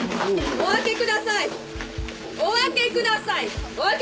お開けください！